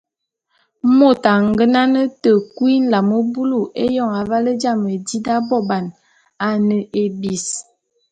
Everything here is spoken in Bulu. Môt a ngenane te kui nlam bulu éyôn aval jame di d’aboban, a ne ébis.